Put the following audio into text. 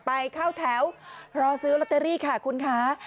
ไปเข้าแถวรอซื้อลอตเตอรี่ค่ะคุณคะ